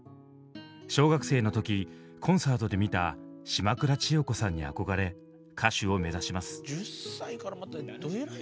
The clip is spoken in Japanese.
小学生の時コンサートで見た島倉千代子さんに憧れ歌手を目指します。